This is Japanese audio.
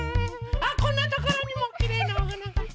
あこんなところにもきれいなおはなが。